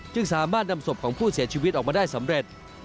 สามารถนำศพของผู้เสียชีวิตออกมาได้สำเร็จ